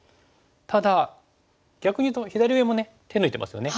ただ逆にいうと左上も手抜いてますよね。